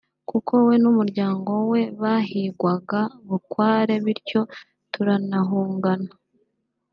kuko we n’umuryango we bahigwaga bukware bityo turanahungana